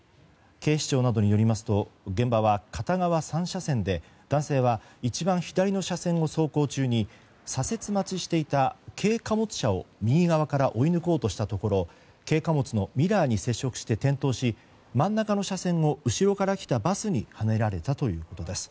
警視庁などによりますと現場は片側３車線で男性は一番左の車線を走行中に左折待ちしていた軽貨物車を右側から追い抜こうとしたところ軽貨物のミラーに接触して転倒し真ん中の車線を後ろから来たバスにはねられたということです。